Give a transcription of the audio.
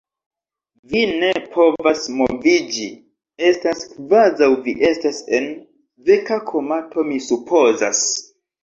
Vi ne povas moviĝi, estas kvazaŭ vi estas en... veka komato, mi supozas.